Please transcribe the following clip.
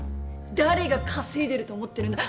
「誰が稼いでると思ってるんだ」